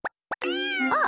あっ！